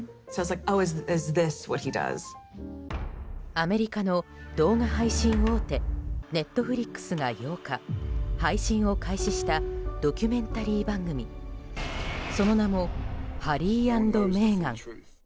アメリカの動画配信大手Ｎｅｔｆｌｉｘが、８日配信を開始したドキュメンタリー番組その名も「ハリー＆メーガン」。